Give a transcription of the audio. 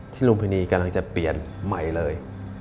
ลุมพินีกำลังจะเปลี่ยนใหม่เลย